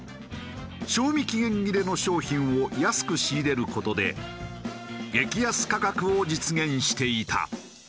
賞味期限切れの商品を安く仕入れる事で激安価格を実現していた。